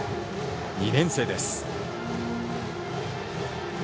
２年生です。